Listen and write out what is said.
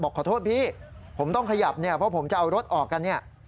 บอกขอโทษพี่ผมต้องขยับเพราะผมจะเอารถออกกัน